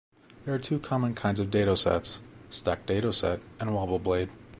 There are two common kinds of dado sets, stacked dado set and wobble blade.